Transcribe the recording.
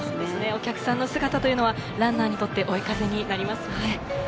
お客さんの姿はランナーにとって追い風になりますね。